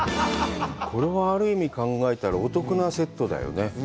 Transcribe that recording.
これは、ある意味、考えたら、お得なセットだよね？